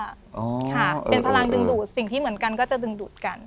ค่ะเป็นพลังดึงดูดสิ่งที่เหมือนกันก็จะดึงดูดกัน